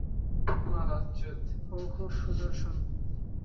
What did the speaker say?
ও খুব সুদর্শন।